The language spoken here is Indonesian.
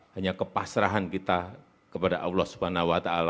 hanya kepasrahan kita kepada allah swt